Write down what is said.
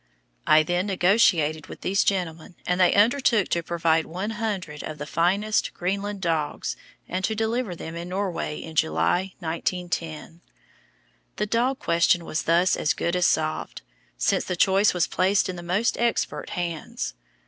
I then negotiated with these gentlemen, and they undertook to provide 100 of the finest Greenland dogs and to deliver them in Norway in July, 1910. The dog question was thus as good as solved, since the choice was placed in the most expert hands.